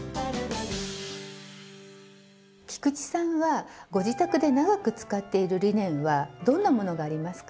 菊池さんはご自宅で長く使っているリネンはどんなものがありますか？